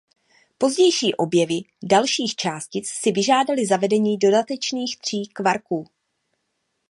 Pozdější objevy dalších částic si vyžádaly zavedení dodatečných tří kvarků.